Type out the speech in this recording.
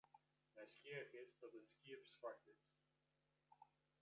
Nijsgjirrich is dat it skiep swart is.